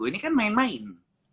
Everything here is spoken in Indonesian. ini kan main main